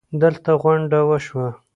دلته غونډه وشوه